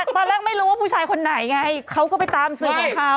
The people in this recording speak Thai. ไม่เพราะตอนแรกไม่รู้ว่าผู้ชายคนไหนไงเขาก็ไปตามเสื้อของเขา